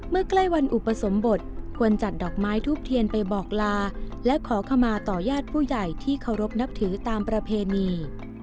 ใกล้วันอุปสมบทควรจัดดอกไม้ทูบเทียนไปบอกลาและขอขมาต่อญาติผู้ใหญ่ที่เคารพนับถือตามประเพณี